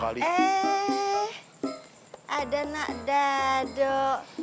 ada nak daduk